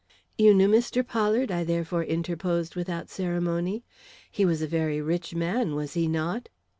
"You knew Mr. Pollard?" I therefore interposed without ceremony. "He was a very rich man, was he not?"